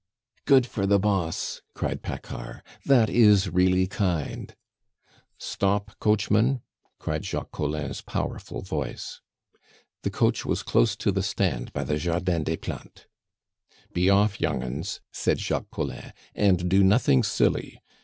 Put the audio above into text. "Good for the boss!" cried Paccard. "That is really kind!" "Stop, coachman!" cried Jacques Collin's powerful voice. The coach was close to the stand by the Jardin des Plantes. "Be off, young 'uns," said Jacques Collin, "and do nothing silly!